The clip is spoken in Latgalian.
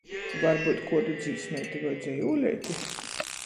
Varbyut kuodu dzīsmeiti voi dzejūleiti?